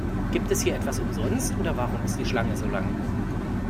Gibt es hier etwas umsonst, oder warum ist die Schlange so lang?